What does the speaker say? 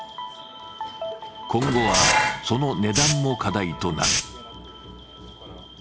今後はその値段も課題となる。